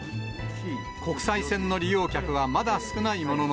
国際線の利用客はまだ少ないものの、